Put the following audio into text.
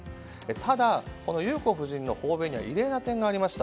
ただ、裕子夫人の訪米には異例な点がありました。